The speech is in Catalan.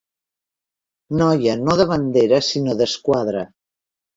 Noia no de bandera sinó d'esquadra.